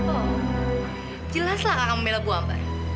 oh jelaslah kakak membela bu amber